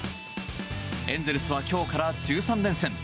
エンゼルスは今日から１３連戦。